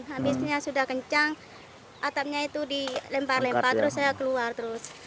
habisnya sudah kencang atapnya itu dilempar lempar terus saya keluar terus